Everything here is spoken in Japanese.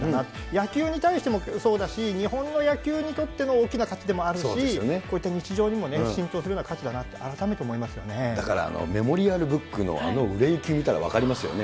野球に対してもそうだし、日本の野球にとっての大きな価値でもあるし、こういった日常にも浸透するような価値だなって、改めて思いますだからメモリアルブックのあの売れ行き見たら分かりますよね。